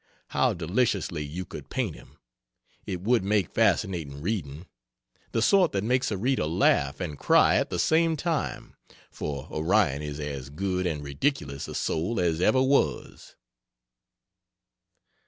How deliciously you could paint him it would make fascinating reading the sort that makes a reader laugh and cry at the same time, for Orion is as good and ridiculous a soul as ever was.